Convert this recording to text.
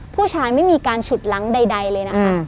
ผู้ชายไม่มีการฉุดหลังใดเลยนะคะ